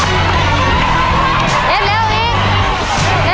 เอ็ดเร็วอีก